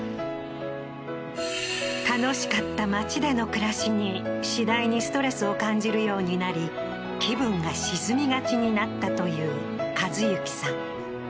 楽しかった町での暮らしに次第にストレスを感じるようになり気分が沈みがちになったという和之さん